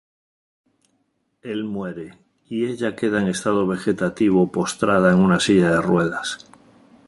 Él muere y ella queda en estado vegetativo postrada en una silla de ruedas.